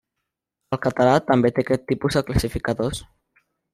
El català també té aquest tipus de classificadors.